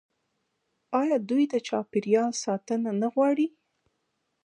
آیا دوی د چاپیریال ساتنه نه غواړي؟